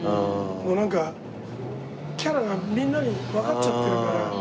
もうなんかキャラがみんなにわかっちゃってるから。